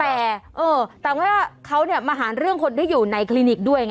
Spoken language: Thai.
แต่ว่าเขามาหาเรื่องคนที่อยู่ในคลินิกด้วยไง